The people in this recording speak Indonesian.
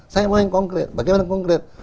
saya mau yang konkret bagaimana konkret